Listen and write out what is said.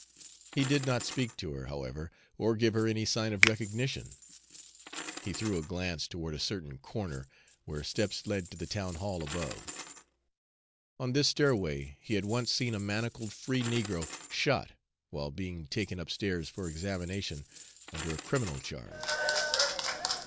He did not speak to her, however, or give her any sign of recognition. He threw a glance toward a certain corner where steps led to the town hall above. On this stairway he had once seen a manacled free negro shot while being taken upstairs for examination under a criminal charge.